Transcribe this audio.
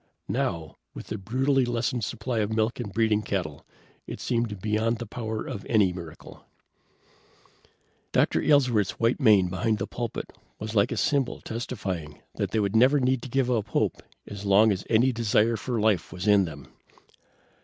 Now, with the brutally lessened supply of milk and breeding cattle, it seemed beyond the power of any miracle. Dr. Aylesworth's white mane behind the pulpit was like a symbol testifying that they never need give up hope as long as any desire for life was in them.